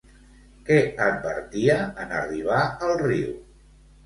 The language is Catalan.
Què advertia en arribar al riu?